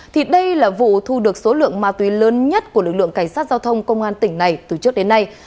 thì đây là vụ thu được số lượng ma túy lớn nhất của lực lượng cảnh sát giao thông công an tỉnh này từ trước đến nay